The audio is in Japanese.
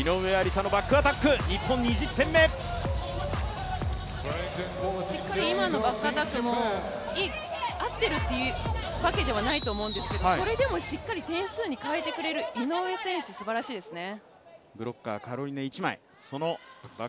今のバックアタックも、合ってるっていうわけじゃないと思うんですけどそれでもしっかり点数に変えてくれる井上選手、すばらしいですね。